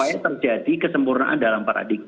supaya terjadi kesempurnaan dalam paradigma